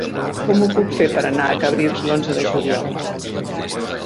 Com ho puc fer per anar a Cabrils l'onze de juliol?